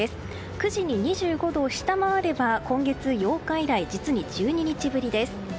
９時に２５度を下回れば今月８日以来実に１２日ぶりです。